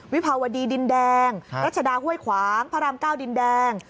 วิภาวดีดินแดงรัชดาห้วยขวางพระราม๙ดินแดง